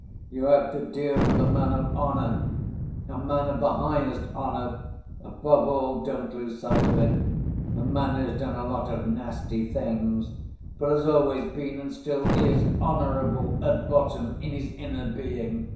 "You have to deal with a man of honor, a man of the highest honor; above all—don't lose sight of it—a man who's done a lot of nasty things, but has always been, and still is, honorable at bottom, in his inner being.